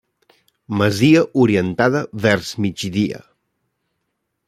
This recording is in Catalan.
Masia orientada vers migdia.